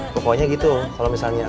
pokoknya gitu kalo misalnya